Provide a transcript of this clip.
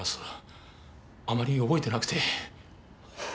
あまり覚えてなくて。